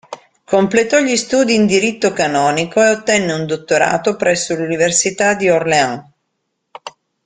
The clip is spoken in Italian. Completò gli studi in diritto canonico e ottenne un dottorato presso l'Università di Orléans.